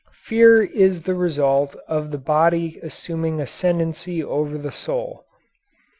Fear is the result of the body assuming ascendancy over the soul.